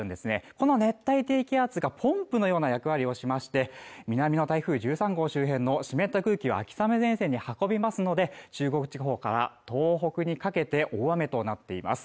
この熱帯低気圧がポンプのような役割をしまして南の台風１３号周辺の湿った空気が秋雨前線に運びますので中国地方から東北にかけて大雨となっています